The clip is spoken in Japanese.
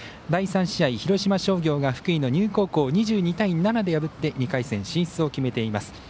第３試合、広島商業が福井の丹生高校を２２対７で破って２回戦進出を決めています。